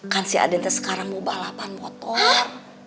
kan si aden tuh sekarang mau balapan motor